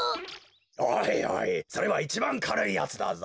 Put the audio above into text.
おいおいそれはいちばんかるいやつだぞ。